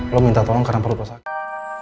lo minta tolong karena perut lo sakit